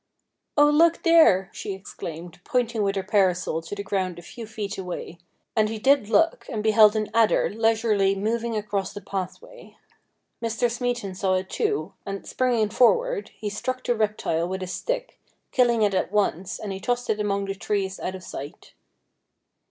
' Oh, look there !' she exclaimed, pointing with her parasol to the ground a few feet away ; and he did look and beheld an adder leisurely moving across the pathway. Mr. Smeaton saw it too, and, springing forward, he struck the reptile with his stick, killing it at once, and he tossed it among the trees out of sight.